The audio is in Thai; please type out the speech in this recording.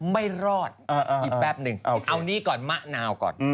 ไม่รอดอีกแป๊บนึงเอานี่ก่อนมะนาวก่อน